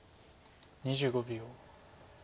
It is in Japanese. ２５秒。